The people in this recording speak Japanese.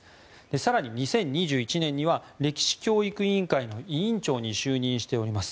更に２０２１年には歴史教育委員会の委員長に就任しております。